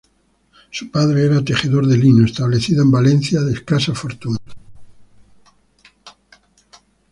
Su padre era tejedor de lino, establecido en Valencia, de escasa fortuna.